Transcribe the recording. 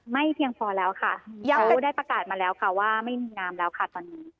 เพียงพอแล้วค่ะยังไม่ได้ประกาศมาแล้วค่ะว่าไม่มีน้ำแล้วค่ะตอนนี้